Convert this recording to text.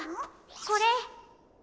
これ！